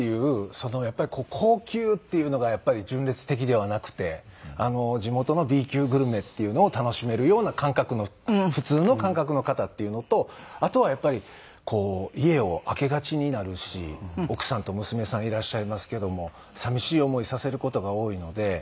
そのやっぱり高級っていうのが純烈的ではなくて地元のＢ級グルメっていうのを楽しめるような感覚の普通の感覚の方っていうのとあとはやっぱりこう家を空けがちになるし奥さんと娘さんいらっしゃいますけども寂しい思いさせる事が多いので。